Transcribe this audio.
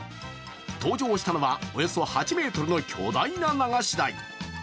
登場したのはおよそ８ｍの巨大な流し台。